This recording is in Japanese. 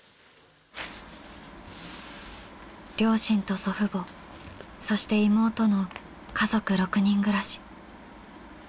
両親と祖父母そして妹の家族６人暮らし。